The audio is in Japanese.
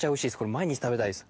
毎日食べたいです。